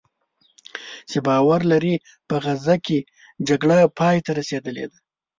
چې باور لري "په غزه کې جګړه پایته رسېدلې ده"